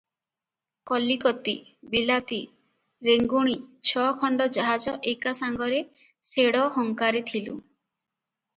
କଲିକତି, ବିଲାତି, ରେଙ୍ଗୁଣୀ ଛ ଖଣ୍ଡ ଜାହାଜ ଏକାସାଙ୍ଗରେ ଶେଡ଼ ହଙ୍କାରିଥିଲୁଁ ।